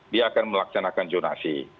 dia akan melaksanakan jonasi